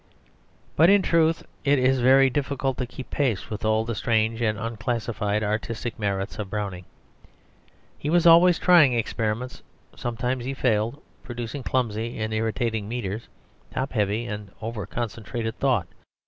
But in truth it is very difficult to keep pace with all the strange and unclassified artistic merits of Browning. He was always trying experiments; sometimes he failed, producing clumsy and irritating metres, top heavy and over concentrated thought.